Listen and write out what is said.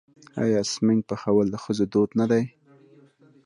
آیا سمنک پخول د ښځو دود نه دی؟